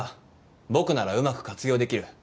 僕ならうまく活用できる。